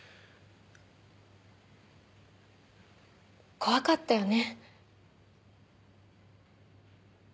怖かったよね。